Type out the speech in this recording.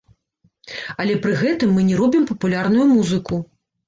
Але пры гэтым мы не робім папулярную музыку.